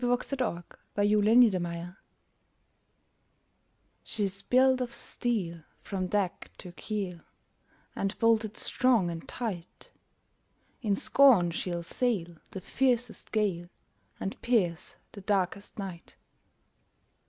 THE WORD OF AN ENGINEER "She's built of steel From deck to keel, And bolted strong and tight; In scorn she'll sail The fiercest gale, And pierce the darkest night.